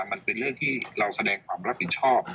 มันเป็นเรื่องที่เราแสดงความรับผิดชอบ